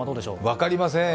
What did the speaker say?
分かりません。